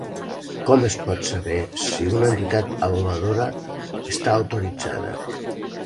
Com es pot saber si una entitat avaluadora està autoritzada?